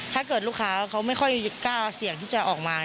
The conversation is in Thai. ถ้าเกิดลูกค้าเขาไม่ค่อยกล้าเสี่ยงที่จะออกมา